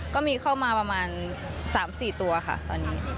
ก็มีเข้ามาประมาณ๓๔ตัวค่ะตอนนี้